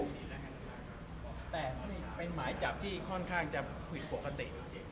แต่มันเป็นหมายจับที่ค่อนข้างจะผิดปกติจริง